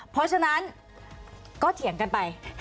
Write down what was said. เพราะฉะนั้นก็เถียงกันไป